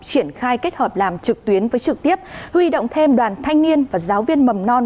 triển khai kết hợp làm trực tuyến với trực tiếp huy động thêm đoàn thanh niên và giáo viên mầm non